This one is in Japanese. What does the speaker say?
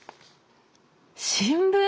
新聞？